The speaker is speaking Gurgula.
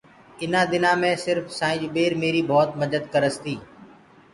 اُنآ دِنآ مينٚ سرڦ سآئيٚنٚ جُبير ميري ڀوت مَدت ڪَرس تي